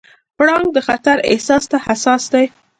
پړانګ د خطر احساس ته حساس دی.